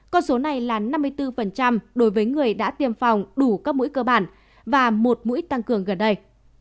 con số này là năm mươi bốn đối với người đã tiêm phòng đủ các mũi cơ bản và một mũi tăng cường gần đây